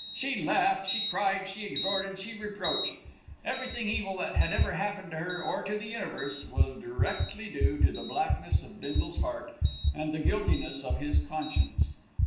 She laughed, she cried, she exhorted, she reproached. Everything evil that had ever happened to her, or to the universe, was directly due to the blackness of Bindle's heart and the guiltiness of his conscience.